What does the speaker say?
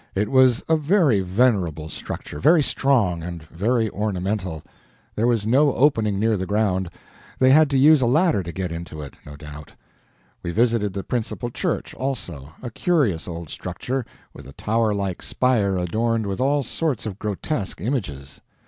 It was a very venerable structure, very strong, and very ornamental. There was no opening near the ground. They had to use a ladder to get into it, no doubt. We visited the principal church, also a curious old structure, with a towerlike spire adorned with all sorts of grotesque images.